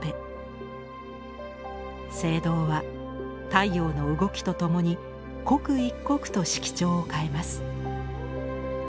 聖堂は太陽の動きとともに刻一刻と色調を変えます。